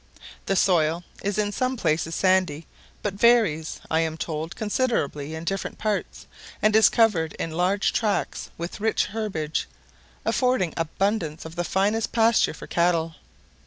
The soil is in some places sandy, but varies, I am told, considerably in different parts, and is covered in large tracks with rich herbage, affording abundance of the finest pasture for cattle.